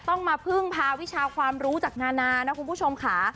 ต้องมาพึ่งพาวิชาความรู้จากนานานะคุณผู้ชมค่ะ